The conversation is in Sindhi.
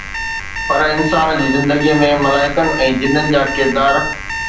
پر انسان جي زندگيءَ ۾ ملائڪن ۽ جنن جا ڪردار